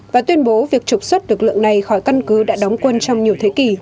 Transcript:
và tuyên bố việc trục xuất lực lượng này khỏi căn cứ đã đóng quân trong nhiều thế kỷ